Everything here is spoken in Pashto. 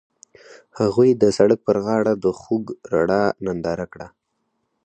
هغوی د سړک پر غاړه د خوږ رڼا ننداره وکړه.